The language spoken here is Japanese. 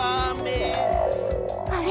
あれ？